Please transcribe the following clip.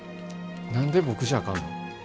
何で僕じゃあかんの。